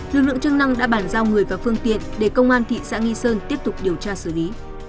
lực lượng chức năng đã bàn giao người và phương tiện để công an thị xã nghi sơn tiếp tục điều tra xử lý